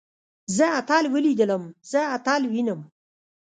زه اتل وليدلم. زه اتل وينم.